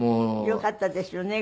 よかったですよね